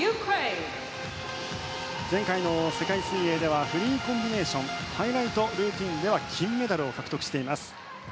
前回の世界水泳ではフリーコンビネーションハイライトルーティンで金メダルを獲得しています。